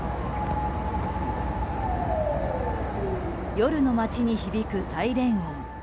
夜の街に響くサイレン音。